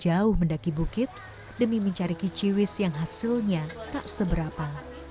jauh mendaki bukit demi mencari kiciwis yang hasilnya tak seberapa